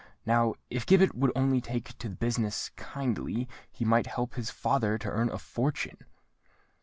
Now if Gibbet would only take to the business kindly, he might help his father to earn a fortune!"